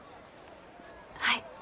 はい。